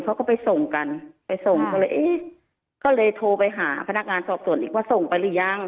เขาก็ไปส่งกันไปส่งก็เลยเอ๊ะก็เลยโทรไปหาพนักงานสอบส่วนอีกว่าส่งไปหรือยัง